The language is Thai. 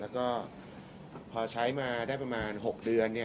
แล้วก็พอใช้มาได้ประมาณ๖เดือน